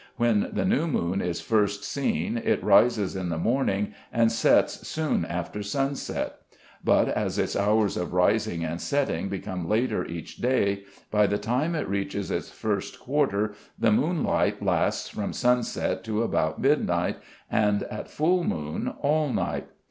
When the new moon is first seen it rises in the morning and sets soon after sunset, but as its hours of rising and setting become later each day, by the time it reaches its first quarter the moonlight lasts from sunset to about midnight, and at full moon all night.